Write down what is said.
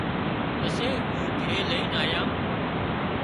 پسي اُو گھرِي لئينَ آيان